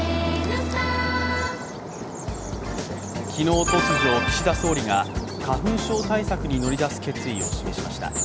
昨日突如、岸田総理が花粉症対策に乗り出す決意を示しました。